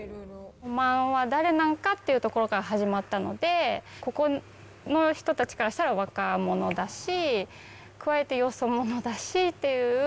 おまんは誰なんか？っていうところから始まったので、ここの人たちからしたら若者だし、加えてよそ者だしという。